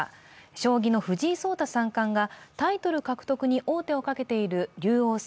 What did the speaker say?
将棋の藤井聡太三冠がタイトル獲得に王手をかけている竜王戦